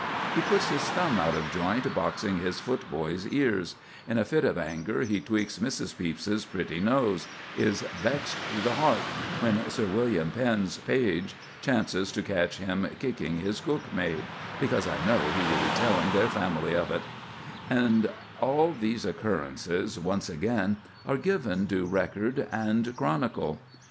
He puts his thumb out of joint boxing his footboy's ears; in a fit of anger he tweaks Mrs. Pepys's pretty nose; is "vext to the heart" when Sir William Pen's page chances to catch him kicking his cook maid, "because I know he will be telling their family of it";—and all these occurrences, once again, are given due record and chronicle.